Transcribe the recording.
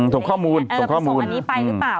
ส่งข้อมูลส่งข้อมูลอันนี้ไปหรือเปล่า